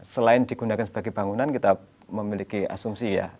selain digunakan sebagai bangunan kita memiliki asumsi ya